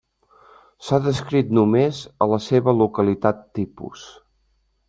S'ha descrit només a la seva localitat tipus.